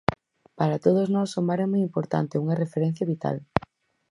Para todos nós o mar é moi importante, unha referencia vital.